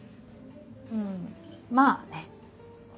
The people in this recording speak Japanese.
うんまぁね。